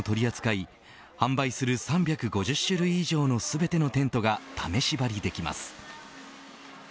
またキャンプ用品も取り扱い販売する３５０種類以上の全てのテントが試し張りできます。